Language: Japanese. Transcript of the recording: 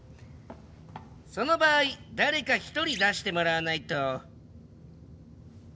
その場合誰か１人出してもらわないと。